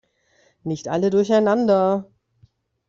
Nicht alle durcheinander!